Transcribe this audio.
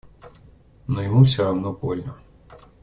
Но ему все равно больно.